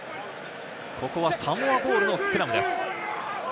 ここはサモアボールのスクラムです。